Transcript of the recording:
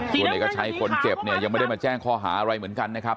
ส่วนเอกชัยคนเจ็บเนี่ยยังไม่ได้มาแจ้งข้อหาอะไรเหมือนกันนะครับ